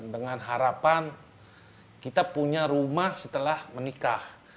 dengan harapan kita punya rumah setelah menikah